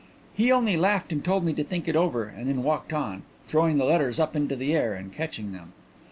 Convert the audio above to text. "He only laughed and told me to think it over, and then walked on, throwing the letters up into the air and catching them.